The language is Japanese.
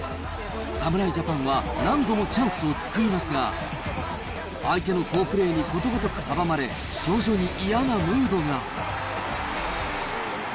侍ジャパンは何度もチャンスを作りますが、相手の好プレーにことごとく阻まれ、徐々に嫌なムードが。